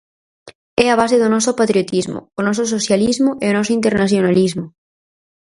É a base do noso patriotismo, o noso socialismo e o noso internacionalismo.